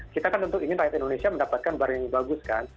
kita kan tentu ingin rakyat indonesia mendapatkan barang yang bagus kan